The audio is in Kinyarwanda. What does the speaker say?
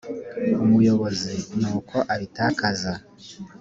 umuyobozi n uko abitakaza